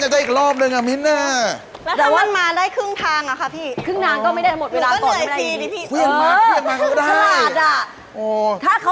ใช่เอาทำให้ดีเริ่มสุด